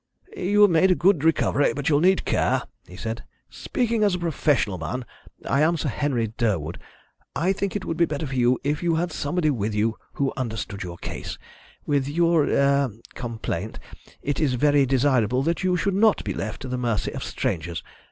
"You have made a good recovery, but you'll need care," he said. "Speaking as a professional man I am Sir Henry Durwood I think it would be better for you if you had somebody with you who understood your case. With your er complaint, it is very desirable that you should not be left to the mercy of strangers.